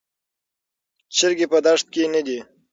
چرګې په دښت کې نه دي.